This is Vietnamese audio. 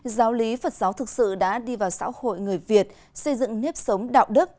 giáo lý phật giáo thực sự đã đi vào xã hội người việt xây dựng nếp sống đạo đức